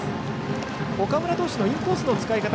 岡村投手のインコースの使い方